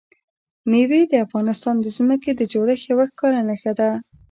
مېوې د افغانستان د ځمکې د جوړښت یوه ښکاره نښه ده.